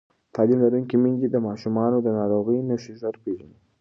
تعلیم لرونکې میندې د ماشومانو د ناروغۍ نښې ژر پېژني